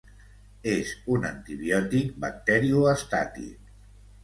És un antibiòtic bacteriostàtic.